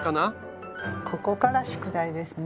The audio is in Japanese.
ここから宿題ですね。